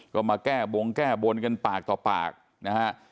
ก็มาแก้บงแก้บนกันปากต่อปากนะฮะ